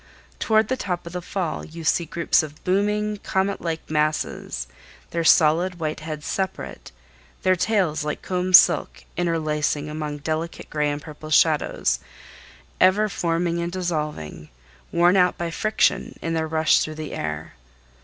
Toward the top of the fall you see groups of booming, comet like masses, their solid, white heads separate, their tails like combed silk interlacing among delicate gray and purple shadows, ever forming and dissolving, worn out by friction in their rush through the air.